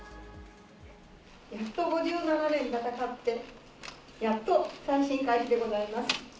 やっと５７年戦って、やっと再審開始でございます。